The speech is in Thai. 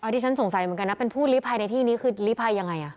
ที่ฉันสงสัยเหมือนกันนะเป็นผู้ลิภัยในที่นี้คือลิภัยยังไง